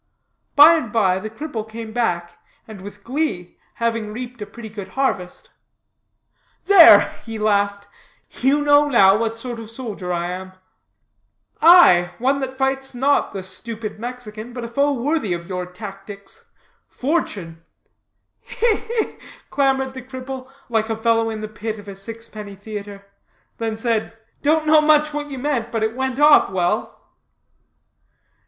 By and by, the cripple came back, and with glee, having reaped a pretty good harvest. "There," he laughed, "you know now what sort of soldier I am." "Aye, one that fights not the stupid Mexican, but a foe worthy your tactics Fortune!" "Hi, hi!" clamored the cripple, like a fellow in the pit of a sixpenny theatre, then said, "don't know much what you meant, but it went off well."